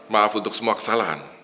maaf untuk semua kesalahan